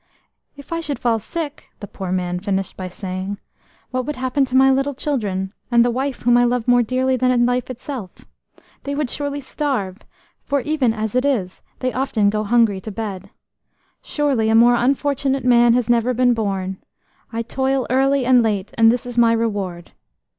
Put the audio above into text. "If I should fall sick," the poor man finished by saying, "what would happen to my little children, and the wife whom I love more dearly than life itself? They would surely starve, for even as it is they often go hungry to bed. Surely a more unfortunate man has never been born–I toil early and late, and this is my reward."